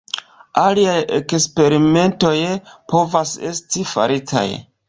Aliaj eksperimentoj povas esti faritaj.